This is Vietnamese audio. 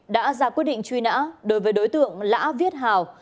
đã ra quyết định truy nã đối với đối tượng lã viết hào